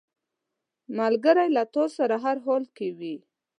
ملګری له تا سره هر حال کې وي